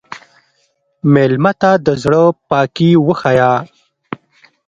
مېلمه ته د زړه پاکي وښیه.